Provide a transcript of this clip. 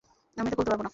আমি এটা খুলতে পারবো না।